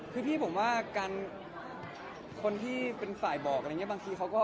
คือพี่ผมว่าการคนที่เป็นฝ่ายบอกอะไรอย่างนี้บางทีเขาก็